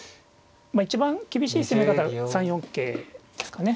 まあ一番厳しい攻め方は３四桂ですかね。